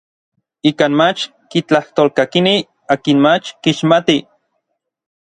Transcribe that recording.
Ikan mach kitlajtolkakinij akin mach kixmatij.